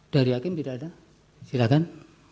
dari hakim tidak ada silakan